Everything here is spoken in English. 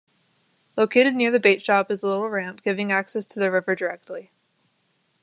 Located near the bait shop is a little ramp, giving access the river directly.